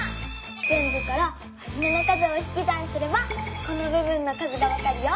ぜんぶからはじめの数をひき算すればこのぶぶんの数がわかるよ！